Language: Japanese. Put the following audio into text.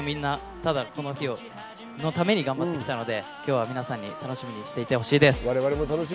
ただこの日のために頑張ってきたので、皆さんに楽しみにしていてほしいです。